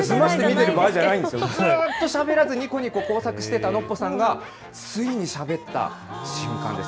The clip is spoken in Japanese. ずっとしゃべらずにこにこ工作していたノッポさんがついにしゃべった瞬間です。